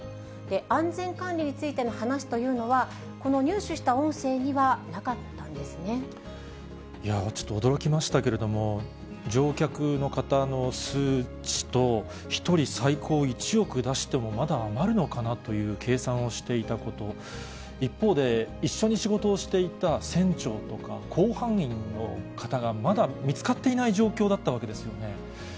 安全管理についての話というのは、この入手した音声にはなかったんいや、ちょっと驚きましたけれども、乗客の方の数値と、１人最高１億出しても、まだ余るのかなという計算をしていたこと、一方で、一緒に仕事をしていた船長とか、甲板員の方がまだ見つかっていない状況だったわけですよね。